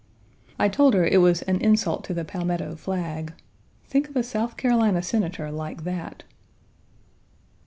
I told her it was "an insult to the Palmetto flag." Think of a South Carolina Senator like that!